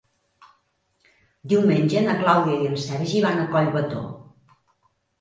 Diumenge na Clàudia i en Sergi van a Collbató.